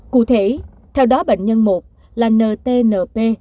cụ thể theo đó bệnh nhân một là ntnp